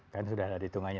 kan sudah ada di tengahnya